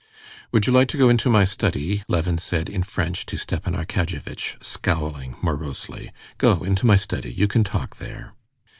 "Would you like to go into my study?" Levin said in French to Stepan Arkadyevitch, scowling morosely. "Go into my study; you can talk there."